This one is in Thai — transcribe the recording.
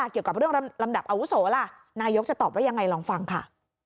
เกี่ยวกับเรื่องลำดับอาวุโสล่ะนายกจะตอบว่ายังไงลองฟังค่ะ